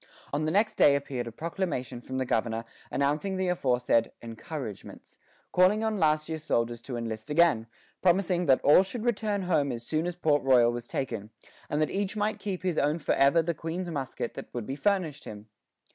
On the next day appeared a proclamation from the governor announcing the aforesaid "encouragements," calling on last year's soldiers to enlist again, promising that all should return home as soon as Port Royal was taken, and that each might keep as his own forever the Queen's musket that would be furnished him.